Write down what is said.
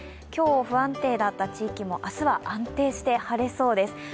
今日、不安定だった地域も、明日は安定して晴れそうです。